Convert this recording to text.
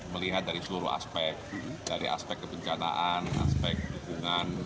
melihat dari seluruh aspek dari aspek kebencanaan aspek dukungan